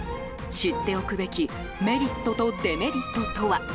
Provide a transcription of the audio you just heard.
知っておくべきメリットとデメリットとは。